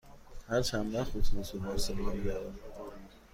هر چند وقت اتوبوس به بارسلونا می رود؟